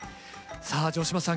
さあ城島さん